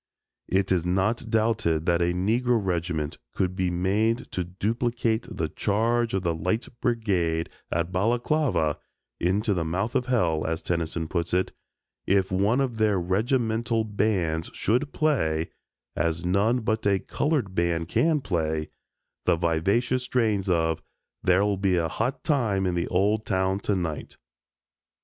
It is not doubted that a Negro regiment could be made to duplicate the "Charge of the Light Brigade" at Balaklava "into the mouth of hell," as Tennyson puts it if one of their regimental bands should play as none but a colored band can play the vivacious strains of "There'll Be a Hot Time in the Old Town Tonight."